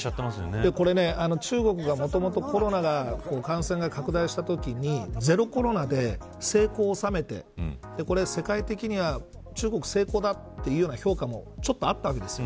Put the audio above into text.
中国が、もともとコロナの感染が拡大したときにゼロコロナで成功を収めて世界的には中国成功だという評価もちょっとあったわけです。